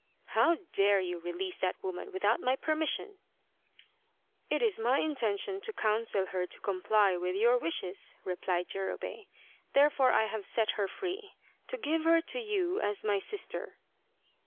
" How dare you release that woman without my permission ?"" It is my intention to counsel her to comply with your wishes," replied Jurobei, " therefore have I set her free to give her to you as my sister."